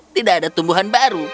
tidak ada tumbuhan baru